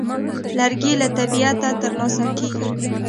لرګی له طبیعته ترلاسه کېږي.